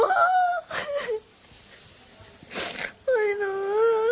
หมอปลาปลาปลายหนู